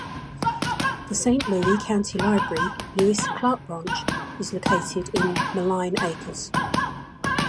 The Saint Louis County Library Lewis and Clark Branch is located in Moline Acres.